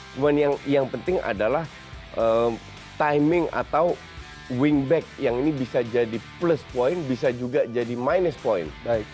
cuma yang penting adalah timing atau wingback yang ini bisa jadi plus point bisa juga jadi minus point